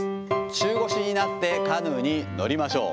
中腰になってカヌーに乗りましょう。